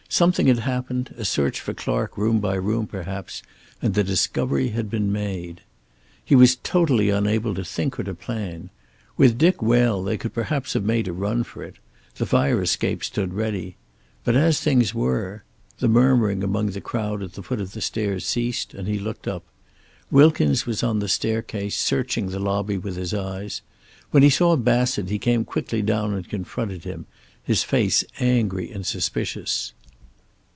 Something had happened, a search for Clark room by room perhaps, and the discovery had been made. He was totally unable to think or to plan. With Dick well they could perhaps have made a run for it. The fire escape stood ready. But as things were The murmuring among the crowd at the foot of the stairs ceased, and he looked up. Wilkins was on the staircase, searching the lobby with his eyes. When he saw Bassett he came quickly down and confronted him, his face angry and suspicious.